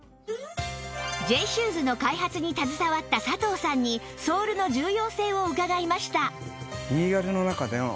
Ｊ シューズの開発に携わった佐藤さんにソールの重要性を伺いました